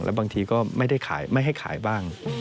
และบางทีก็ไม่ให้ขายบ้าง